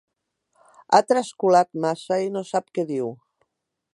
Ha trascolat massa i no sap què diu.